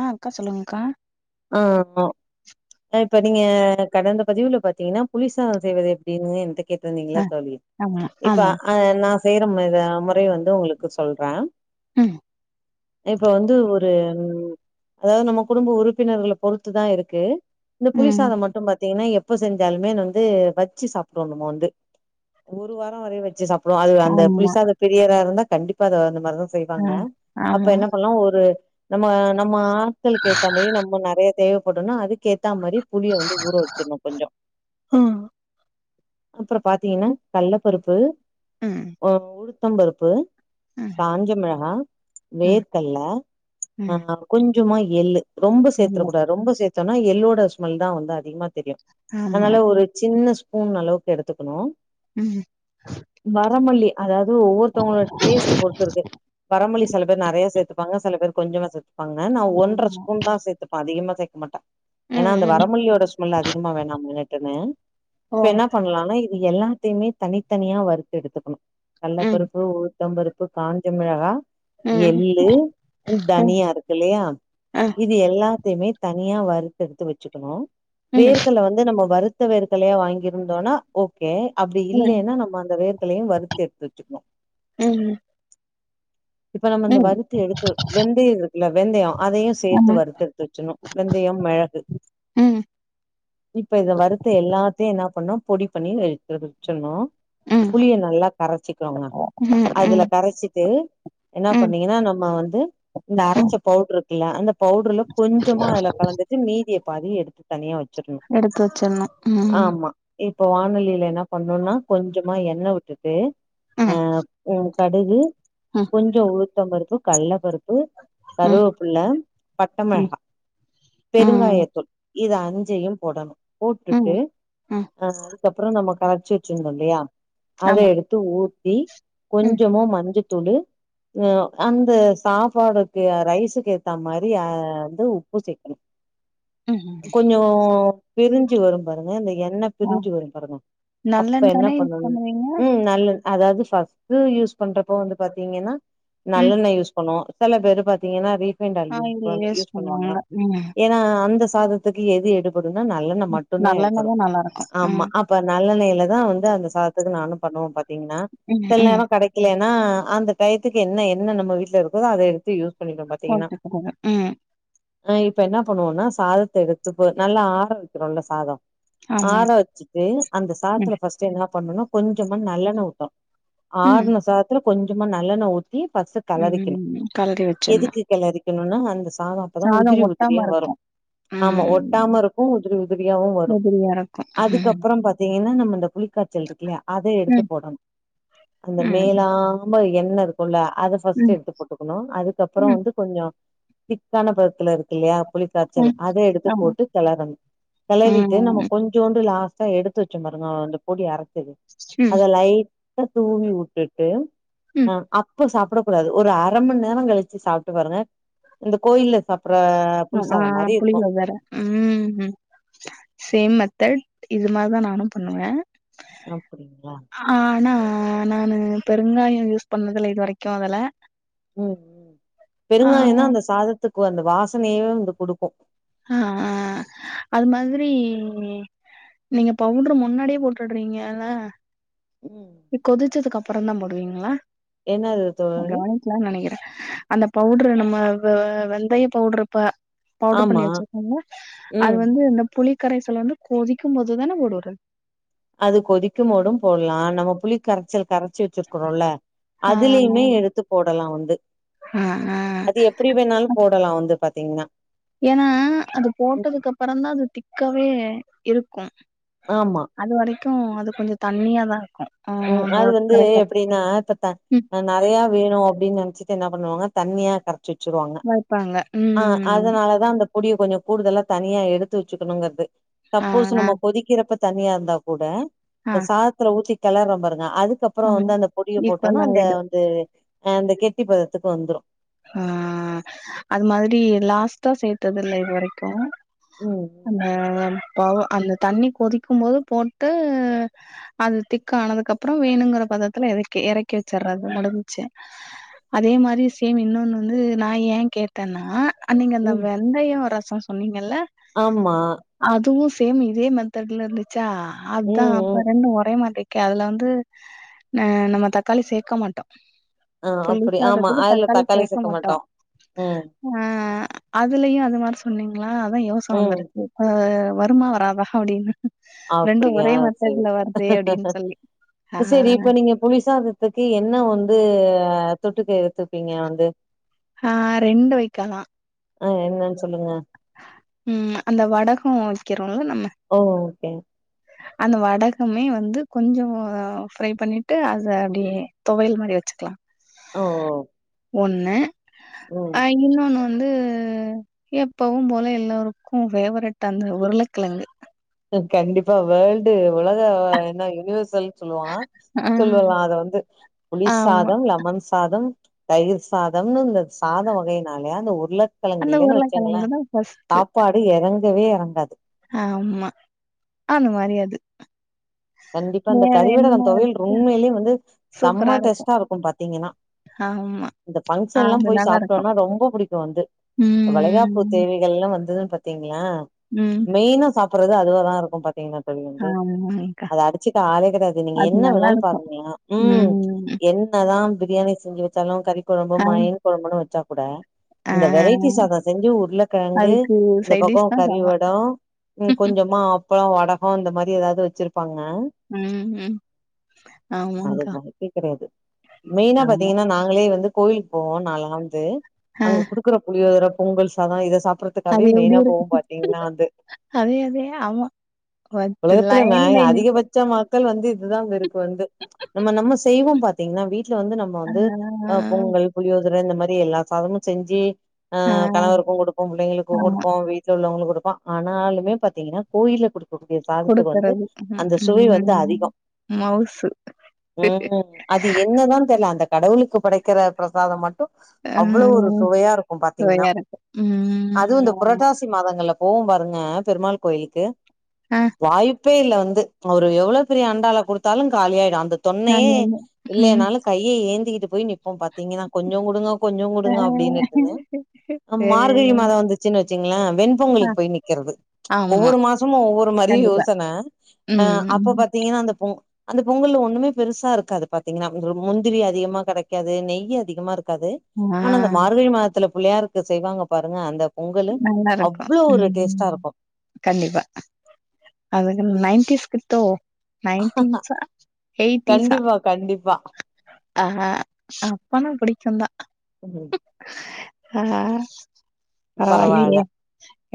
ஆ அக்கா சொல்லுங்கா ஆமா இப்ப நீங்க கடந்த பதிவுல பாத்தீங்கனா புலி சாதம் செய்வது எப்டின்னு என்ட ஆ கேட்டுருந்தீங்கள தோழி ஆமா இப்ப ஆமா அ நா செய்ற முறை வந்து உங்ளுக்கு சொல்ற ம் இப்ப வந்து ஒரு அதாவது நம்ம குடும்ப உறுப் பினர்கள பொறுத்து தா இருக்கு இந்த புலி ம் சாதம் மட்டு பாத்தீங்கனா எப் ப செஞ்சாலுமே நா வந்து வச்சு சாப்டுவோ நம்ம வந்து ஒரு வாரம் வர வச்சு சாப் அப்புற அது அந்த ஆமா புளிசாத பிரியரா இருந்தா கண்டிப்பா அத வந்து மரு செய்வாங்க ஆ அப்ப ஆமா என்ன பண்லா ஒரு நம்ம நம்ம ஆட்களுக்கு ஏத்த மாரி நம்ம இன்னு நறைய தேவப்படுன்னா அதுக் கேத்தா மாரி புளிய வந்து ஊற வச்சிர்ணு கொஞ்சோ ம் அப்புற பாத்தீங்கனா கல்ல பருப்பு ம் உளுத்தம் பருப்பு ம் காஞ்ச மெளகா ம் வேர்க்கல்ல ம் ஆ கொஞ்சமா எள்ளு ரொம்ப இல்ல சேர்த்தறக்க கூடாது ரொம்ப சேர்த்தோனா எள்ளோட ஸ்மெல் தா வந்து அதிகமாக தெரியு ஆமா அதனால ஒரு சின்ன ஸ்பூன் அளவுக்கு எடுத்துக்கணு ம் வரமல்லி அதாவது ஒவ்வொருதங்ளோட டேஸ்ட்ட பொறுத்து இருக்கு வரமல்லி ம் சில பேர் நறைய சேர்த்தப்பாங்க சில பேர் கொஞ்சமா சேர்த்துப் ப்பாங்க நான் ஆமா ஒன்றர ஆமா ஸ்பூன்தா சேத்துப்ப அதிகமா சேக்க மாட்ட ஏனா ம் அந்த ம் வரமல்லியோட ஸ்மெல் அதிகமா வேணாம்ன்னுட்டுன்னு ஓ இப்ப என்ன பண்ணலானா இது எல்லாத்தய்மே தனித்தனியா வறுத்து எடுத்துக்கணு கள்ள ம் பருப்பு உ ளுத்தம் பருப்பு காஞ்சமிளகா ம் எள்ளு ம் தனியா இருக்கில்லயா ஆ இதெல்லாத்தயுமே தனியா வரறுத்து எடுத்து வெச்சுக்கணு ம் வேர்கல்ல வந்து நம்ம வரு த்த வேர்க்கல்லயா வாங்கியிருந்தோனா ஓகே அப்டி ம் இல்லைனா நம்ம அந்த வேர்க்கல்லயா வறு த்து எத்து வெச்சுக்கணு ம் இப்ப நம்ம இந்த ம் வருத்து எடுத்து வெந்தயோ இருக்கல்ல வெந்தயோ அதையு ஆமா சேத்து வறுத்து எத்து வெச்சனு வெந்தயம், மெளகு ம் இப்ப இத வறுத்த எல்லாத்தையு என்ன பண்ணு பொடி பண்ணி எடுத்து வெச்சிரனு ம் புளிய நல்லா கரச்சிகோங்க ஓ, ம் அதுல ம் கரச்சிட்டு என்னா ம் பண்ணீங்கன்னா நம்ம வந்து இந்த ம் அரச்ச பவுடர் இருக்கல்ல அந்த பவு கொஞ்சமா அதுல கலந்துட்டு மீதிய பாதி எடுத்து தனியா வெச்சிரணு எடுத்து வச்சிர்ணு ம் ம் ஆமா இப்ப வானலைல என்ன பண்ணணுனா கொஞ்சமா எண்ண விட்டுட்டு அ ம் உ கடுகு ம் கொஞ்சோ உளுத்தம் பருப்பு, கல்ல பருப்பு, ம் கருவேப்புள்ள டம ம் பெருங்காயத்தூள் இது அஞ்சயும் போடணு போட்டுட்டு ம் ம் அதுக்கப்றோ நம்ம கரச்சு வெச்சிருந்தோ இல்லயா அத ஆமா எ த்து ஊத்தி ம் கொஞ்சமா மஞ்சத்தூளு ஒ அந்த சாப்பாடுக்கு ரைஸுக்கு ஏத்தா மாரி அ வந்து உப்பு சேக்கணு ம் கொஞ்சோ பிரிஞ்சு வரும் பாருங்க அந்த எண்ண ஆ பிரிஞ்சு வரும் பாருங்க அப்ப நல்லெண்ண என்ன தானே யூஸ் பண்ணு பண்ணுவீங்க ம் நல்ல அதாவது ஃபர்ஸ்ட்டு யூஸ் பண்றப்போ வந்து பாத்தீங்கன்னா ம் நல்லெண்ண யூஸ் பண்ணுவோ சில பேரு பாத்தீங்கன்னா ரீஃபைண்டு ஆயில் யூஸ் பண் யூஸ் பண்ணுவ நீங்க ஏனா அந்த சாதத்துக்கு எது எடுபடுனா நல்லெண்ண மட்டுந்தா எடுபடு நல்லெண்ணதா நல்லா இருக்கு ஆமா ம் அப்ப நல்லெண்ணெய்லதா வந்து அந்த சாதத்துக்கு நானு பண்ணுவ பாத்தீங்கன்னா ம் சில ம் நேரோ கெட க்கலனா அந்த டயத்துக்கு என்ன எண்ணெ நம்ம வீட்ல இருக்குதோ அத எடுத்து யூ ஓகே சகோதர் ம் ஆ இப்ப என்ன பண்ணுவோனா சாதத்த எடுத்துப்போ நல்லா ஆர வெக்கிறோல்ல சாதோ ஆமா ஆர வெச் து அந்த ம் சாதத்துல ஃபர்ஸ்ட் என்ன பண்ணனுனா கொஞ்சமா நல்லெண்ண வுட்டோ ம் ஆறுண சாத த்துல கொஞ்சமா நல்லெண்ண ஊத்தி ஃபர்ஸ்ட் கெளறிக்கணு ம் கலறி வச்சிர்ணு எதுக்கு கெளறி க்கனுனா அந்த சாதோ அப்பதா உதிரி உதிரியா ஒட்டாம வரு இருக்கு ஆமா ஒட்டாம ம் இருக்கு உதிரி உதிரியாவு வரு உதிரியா இருக்கு ம் அதுக்கப்பறம் பா த்தீங்கன்னா நம்ம இந்த புளிக்காய்ச்சல் இருக்கில்லயா அத எடுத்து ம் போடணு அந்த ம் மேலா ரொம்ப எண்ணெ இருக்குல்ல அத ஃபர்ஸ்ட் ம் எடுத்து போட்டுக்கணு அதுக்கப்பறோ ம் வந்து கொஞ்சோ திக்கான பதத்துல இருக்கில்லயா புளி க்காய்ச்சல் ம் அத எடுத்து ஆமா போட்டு கெளறணு கெளறிட்டு நம்ம ம் கொஞ்சோண்டு லா ஸ்ஸா எடுத்து வெச்சோம் பாருங்க அந்த பொடி அரச்சது ம் அத லைட்டா தூவி விட்டுட்டு ம் அ அப்ப சாப்ட கூடாது ஒரு அர மணி நேரோங் கழிச்சு சாப்ட்டு பாருங்க இந்த கோயில்ல சாப்டற ஆ ஆ புளியோதர ம் சேம் மெத்தேட் இது மாரிதா நானு பண்ணுவ அப்டிங்ளா அ ஆனா நானு பெருங்காயோ யூஸ் பண்ணதுல இல்ல இது வரைக்கு அதுல ம் ஆ பெருங்காயந்தா அந்த சாதத்துக்கு அந்த வாசனைய வந்து குடுக்கு ஆ ஆ அது மாதிரி நீங்க பவுடரு முன்னாடியே போட்டுடுறீங்கல்ல ம் கொதிச்சதுக்கு அப்புறோ தா போடுவீங்களா என்னது தோழி நா நெனைக்கிறே அந்த பவுடரு நம்ம வெ வெந்தய பவுடரு இப்ப பவுடர் பண்ணி ஆமா வச்சிருக்கோமில்ல ம் அது வந்து இந்த புளிக்கரைசலை வந்து கொதிக்கும் போதுதானே போடுவுறது அது கொதிக்கும் மோடும் போடலா நம்ம புளி கரைச்சல் கரைச்சி வச்சிருகோரோல்ல ஆ அதுலயுமே எடுத்து போடலா வந்து ஆ ஆ அது எப் எப்டி வேணாலு போடலா வந்து பாத்தீங்கன்னா ஏன்னா அது ம் போட்டதுக்கு அப்புறந்தா அது திக்கவே இருக்கும் ஆமா அது வரைக்கு அது கொஞ்சோ தண்ணிய தா இருக்கு ம் அது வந்து எப் படின்னா இப்ப த ம் அ நெறையா வேணு அப்டின்னு நெனைச்சிட்டு என்ன பண்ணுவாங்க தண்ணியா கர ச்சுருவாங்க வைப்பாங்க ஆ ம் அதனாலதா அந்த பொடிய கொஞ்சோ கூடுதலா தனியா எடுத்து வச்சுக்கணுங்கிறது ஆ சப்போஸ் ஆ நம்ம கொதிக் கிறப்ப தண்ணியா இருந்தா கூட ஆ அந்த சாதத்துல ஊத்தி கெளறம் பாருங்க அதுக் கப்புறம் ஆமா வந்து அந்த பொடியை ஈக்குவல் போட்டோனா அந்த ஆயிடும் வந்து அ அந்த கெட்டி பதத்துக்கு வந்துரு ஆ அது மாதிரி லாஸ்டா சேத்தது இல்ல இது வரைக்கு ம் அந்த ம் பவோ அந்த தண்ணி கொதிக்கும்போது போட்டு அது திக்க ஆனதுக்கு அப்புறோ வேணுங்கிற பதத்துல எறக்க எறக்கி வச்சடறது முடிஞ்ச்சு அதே மாரி சேம் இன்னொன்னு வந்து நா ஏ கேட்டேன்னா நீங்க அந்த ம் ம். வெந்தய ரசோ சொன்னீங்கல்ல ஆமா அதுவு சேம் இதே மெத்தேட்ல இருந்துச்சா அதுதா ம் அப்ப ம் ரெண்டு ஒரே மாட்டி கே அதுல வந்து அ நம்ம தக்காளி சேக்க மாட்டோ ஆ அப்டி ஆமா அதுல தக்காளி சேக்க மாட்டோ உ ஆ அதுலயு அது மாரி சொன்னீங்களா அதா யோசனை ம் வந்துருக்கு அ வருமா வராதா அப்டின்னு ரெண்டு அப்டியா ஒரே செரி மெத்தட்ல வருதே அப்டின்னு சொல்லி ஆ செரி இப்ப நீங்க புளிசா த்துக்கு என்ன வந்து தொட்டுக்கு எடுத்துப்பீங்க வந்து ஆ ரெண்டு வெக்காலா ஆ என்னன்னு சொல்லுங்க உ அந்த வடகோ வெக்கிறோல நம்ம ஓ ஓகே அந்த வடகமே வந்து கொஞ்சோ ஃப்ரை பண்ணிட்டு அத அப்டியே தொவையல் மாரி வெச்சுக்கலா ஓ ஒன்னு ம் அ இன்னொன்னு வந்து எப்பவு போல எல்லோருக்கு ஃபேவரட் அந்த உருளைக்கிழங்கு கண்டிப்பா வேர்ல்டு உலக என்ன யூனிவர்ல்னு சொல்லுவா ஆ சொல்லலா அத வந்து புளி ஆமா சாதோ லெமன் சாதம் தயிர் சாதம்னு இந்த சாத வகைனாலையா அந்த உர்ள கிழங்கு அந்த இல்லேன்னு வச்சுங்களே உருளக்கெழங்குதா ஃபஸ்ட்டு சாப்பாடு எறங்கவே எறங்காது ஆமா அந்த மாரி அது கண்டிப்பா அந்த வேற கரிவெடகோ என்ன தொவயைல் ரோம் உண்மையிலே வந்து செம்மா டேஸ்ட்டா இருக்கு பாத்தீங்கென்னா ஆமா. இந்த ஆ ஃபங்ஷன் எல்லா அது போய் நல்லாருக்கும். சாப்ட்டோன்னா ரொம்ப பிடிக்கு வந்து வளைகாப்பு ம், ம், தேவை எல்லா வந்தது பாத்தீங்களா ம். மெயினா சாப்புறது அதுலதா இருக்கு பாத்தீங்கன்ன ஆமா க் அத அடிச்சுக்க ஆளே கெடையாது நீங்க என்ன வேணாலு பாக்குனிங்கலா உம் ம். என் என்ன தா பிரியாணி செஞ்சு வச்சாலு கறி கொழம்பு ஆ, மயின் கொழம்புன்னு வச்சா கூட ஆ இந்த வெரைட்டி சாதோ செஞ்சு உர்ளக்கெழங்கு அதுக்கு இந்த சைட் பக்கோ டிஷ் தான் கறி செம. வடோ உம் கொஞ்சமா அப்பளோ வடகோ இந்த மாரி ஏதாது வச்சு இருப்பாங்க உம் உம் அது வாய்ப்பே கெடையாது மெய்ன்னா ஆமா. பாத்தீங்கென்னா நாங்களே வந்து கோயிலுக்கு போவோ நாளா வந்து ஆ அங்க குடுக்குற புளியோதர பொங்கல் சாதோ இத சாப்பறதுக் அத்துக்காவே அது எப்டி மெய்ன்னா போ இருக்கும்? பாத்தீங்கென்னா அது அதே அதே ஆமா. வச்சு உலகத்துல மே லைன் பை அதிகோ நிப்பா வச்ச மக்கள் வந்து இதுதா அங்க இருக்கு வந்து நம்ம நம்ம செய்வோ பாத்தீங்கன்னா வீட்டுல வந்து நம்ம வந்து ஹ பொங்கல் புளியோதர இந்த மாரி எல்லா சாதமு செஞ்சு ஆ கணவருக்கு கொடுப்போ புள்ளைங்களுக்கு ஆமா. கொடுப்போ வீ ட்டுல உங்களுக்கு குடுப்போ ஆனாலுமே பாத்தீங்கென்னா கோயில்ல குடுக்கக்கூடிய சாதத்துக்கு வந்து குடுக்கறது. ம், அந்த சுவை வந்து ம். அதிகோ மவுசு. உம் அது என்னதா தெர்ல அந்த கடவுளுக்கு படைக்கிற பிரசாதோ மட் டு ஆ அவ்வளோ ஒரு சுவையா இருக்கு பாத்தீங்ன்னா சுவையா இருக்கும். அது ம் ஆமா. புரட்டாஸ் சி மாதங்கள்ல போவு பாருங்க பெருமாள் கோயிலுக்கு ஆ வாய்ப்பே இல்லை வந்து அவரு எவ்வளோ பெரிய அண்டால கொடுத்தாலு காலியாயிடு அந்த தொன்னையே அது என்ன ம். இல்லைனாலு கையே ஏந்தியிட்டு போய் நிப் போ அப்ப பாத்தீங்கென்னா கொஞ்சோ குடுங்க கொஞ்சோ குடுங்க ஆ அப்டின்னுட்டுனு ம் சேரிங்க. மார்கழி மாதம் வந்து சின்ன வச்சுங்களே அ வெண்பொங்கலின் போய் நிக்கறது ஆமா. ஒவ்வொரு மாசமு ஒவ்வொரு மாரி கண்டிப்பா. யோசன ஆ ம். அப்போ பாத்தீங்கன்னா அந்த பொ அந்த பொங்கல்ல ஒண்ணமே பெருசா இருக்காது பாத்தீங்கன்னா முந்திரி அதிகமா கெடைக்காது நெய் அதிகமா இருக்காது ம். ஆ ஆனா அந்த மார்கழி மாதத்துல பிள்ளையாருக்கு செய்வாங்க பாருங்க அந்த பொங்கலு நல்லாருக்கும். அவ்ளோவு ஒரு டேஸ்ட்டா ம். இருக்கு கண்டிப்பா அதுங்க நைன்டீஸ் கிட்டோ நைன்டின்ஸா எயிட்டிஸா கண்டிப்பா கண்டிப்பா ஆ ஹ அப்பானா பிடிக்குந்தா உம் ஆ ஹ பரவால்ல பரவலியே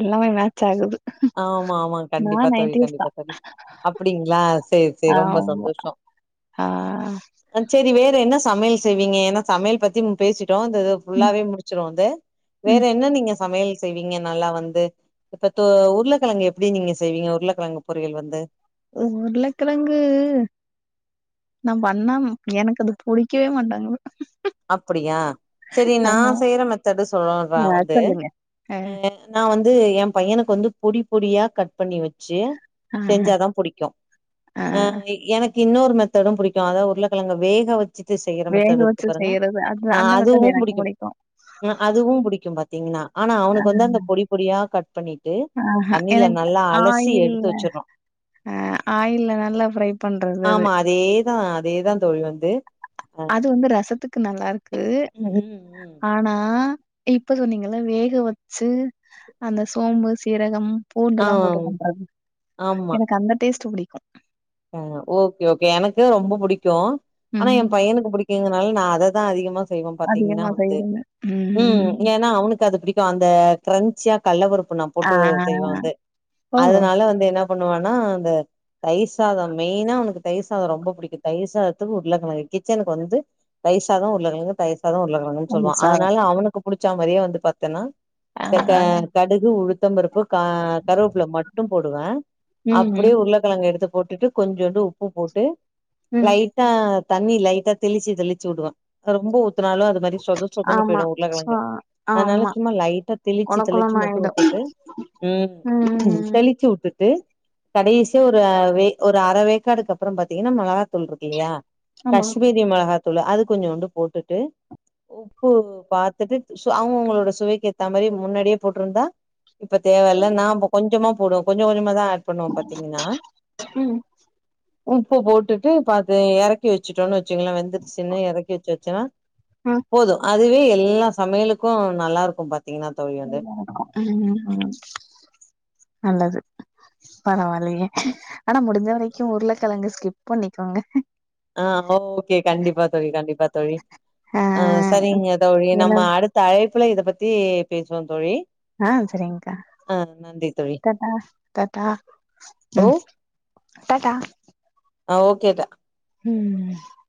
எல்லாமே மேட்ச் ஆகுது ஆமா ஆமா கண்டிப்பா நான் தொழி கண்டிப்பா தோழி அப்டிங்களா சேரி சேரி ரொம்ப ஆம்மா ஆ செரி வேற என்ன சமையல் செய்வீங்க ஏன்னா சமையல் பத்தி பேசிட்டோ இந்த ம், ஃபுல்லாவே முடிச்சிருவோது வேற ம். என்ன நீங்க சமயல் செய்வீங்க நல்லா வந்து இப்பத் ஊர் உருளக்கெழங்கு எப்டி நீங்க செய்வீங்க உருளக்கெழங்கு பொறியல் வந்து உருளக்கெழங்கு நா பண்ணா எனக்கு அது புடிக்கவே மாட்டேங்கிது அப்டியா சேரி நா செய்ற மெத்தடு சொல்றே ஆ வந்து சொல்லுங்க. அ நா வந்து எ பையனுக்கு வந்து பொடி பொடியா கட் பண்ணி வச்சு ஆஹ செஞ்சாதா புடிக்கு ஆ அ எனக்கு இன்னோரு மெத்தடு புடிக்கு அதா உருளக்கெழங்க வேக வச்சுட்டு செய்யுற வேக மெத்தடுருக்கு வச்சு செய்யறது அது ஆ அந்த அதுவு மெத்தட் எனக்கு புடிக்கு புடிக்கும். அதுவு புடிக்கு பாத் தீங்னா ஆனா அவனுக்கு வந்து அந்த பொடி பொடியா கட் பண்ணிட்டு தண்ணில எனக்கு நல்லா அலசி எடுத்து வச்சர்னு ஆ ஆயில்ல நல்லா ஃப்ரை பண்றது அது அதா அதேதா தோழி வந்து அ அது வந்து ரசத்துக்கு நல்லாருக்கு ம் ம் ஆனா இப்ப சொன்னீங்கல வேக வச்சு அந்த சோம்பு சீரகம் ஆ பூண்டெல்லா போட்டு பண்றாங்க எனக்கு அந்த டேஸ்ட் புடிக்கு ஆ ஓகே ஓகே எனக்கு ரொம்ப புடிக்கு ஆனா எ ம். பையனுக்கு பிடிக்குங்கனால நா அததா அதிகமா செய்வோ பாத்தீங்கனா அதிகமா வந்து செய்றது. ம் ஏன்னா அவனுக்கு அது பிடிக்கு அந்த கிரஞ்சியா கட்லபருப்புண்ணா ஆ. போட்டு செய்வே வந்து ஓ! அதுனால வந்து என்ன பண்ணுவனா அந்த தையிர் சாதம் மெயினா அவனுக்கு தயிர் சாத ரொம்ப புடிக்கு தயிர் சாதத்துக்கு உருளக்கெழங்கு கிச்சனுக்கு வந்து தயிர் சாத உருளக்கெழங்கு தயிர் சாத உருளங்கெழங்குன்னு சொல்லுவா தயிர் சாதம். அதுனால அவனுக்கு புடிச்சா மாரியே வந்து பாத்தேன்னா ஆ. இந்த க கடுகு உளுத்தம்பருப்பு கா கருவெப்புல மட்டும் போடுவே ம் ம் கிழங்க எடுத்து போட்டுட்டு கொஞ்சோண்டு உப்பு போட்டு ம். லைட் டா தண்ணி லைட்டா தெளிச்சு தெளிச்சு விடுவே ரொம்ப ஊத்துனாலு அது ஒரு மாரி சொத சொதன்னு ஆமா. போயிடு சோ உருளக்கெழங்கு அதுனால ஆமா. சும்மா லைட்டா தெளிச்சு கொழ தெளிச்சு கொழன்னு மட்டும் ஆயிடும். வுட்டுட்டு ம் தெளிச்சு வுட்டுட்டு கடேசியா ஒரு வே ஒரு அர வேக்காடுக்கு அப்பறம் பாத்தீங்கனா மொளகாத்தூள் இருக்கு இல்லியா ஆமா. கஷ்மீரி மொளகாத்தூளு அது கொஞ்சோண்டு போட்டுட்டு உப்பு பாத்துட்டு அவங்கவுங்களோட சுவைக்கு ஏத்த மாரி முன்னாடியே போட்ருந்தா இப்ப தேவ இல்ல ம், நா கொஞ்சமா போடு கொஞ்ச கொஞ்சமாதா ஆட் பண்ணுவோ பாத்தீங்கன்னா ம் உப்பு போட்டுட்டு பாத்து எறக்கி வச்சுட்டோன்னு வச்சுங்களே வெந்துசுனு எறக்கி வச்சு வச்சோனா ம். போது அதுவே எல்லா சமையலுக்கு நல்லாருக்கும் பாத்தீங்கனா ம் ம் ம் நல்லது பரவால்லியே ஆனா முடிஞ்ச வரைக்கு உருளக்கெழங்கு ஸ்கிப் பண்ணிக்கோங்க ஆ ஓகே கண்டிப்பா தோழி கண்டிப்பா தோழி ஆ சரிங்க தோழி என்ன நம்ம அடுத் த அழைப்புல இத பத்தி பேசுவோ தோழி ஆ செரிங்கா ஆ நன்றி தோழி டாட்டா டாட்டா ஓ ம் டாட்டா ஆ ஓகேடா ம்